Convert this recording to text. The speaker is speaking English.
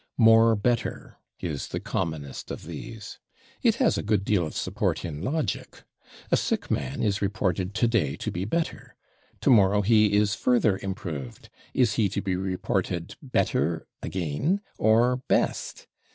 /More better/ is the commonest of these. It has a good deal of support in logic. A sick man is reported today to be /better/. Tomorrow he is further improved. Is he to be reported /better/ again, or /best